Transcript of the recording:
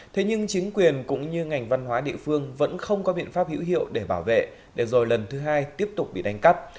thế nhưng chính quyền cũng như ngành văn hóa địa phương vẫn không có biện pháp hữu hiệu để bảo vệ để rồi lần thứ hai tiếp tục bị đánh cắp